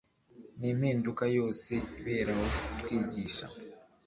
n impinduka yose iberaho ku twigisha